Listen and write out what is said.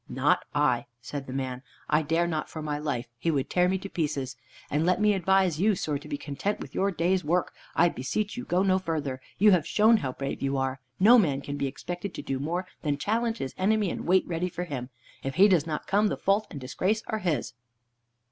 "Not I," said the man. "I dare not for my life. He would tear me to pieces. And let me advise you, sir, to be content with your day's work. I beseech you, go no further. You have shown how brave you are. No man can be expected to do more than challenge his enemy and wait ready for him. If he does not come, the fault and the disgrace are his."